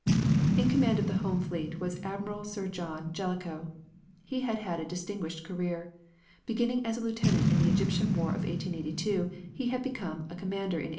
In command of the Home fleet was Admiral Sir John Jellicoe. He had had a distinguished career. Beginning as a lieutenant in the Egyptian War of 1882, he had become a commander in 1891.